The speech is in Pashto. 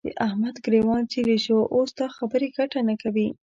د احمد ګرېوان څيرې شو؛ اوس دا خبرې ګټه نه کوي.